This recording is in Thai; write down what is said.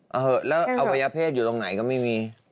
เอาเหอะแล้วอวัยเพศอยู่ตรงไหนก็ไม่มี